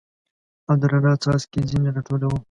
او د رڼا څاڅکي ځیني را ټولوو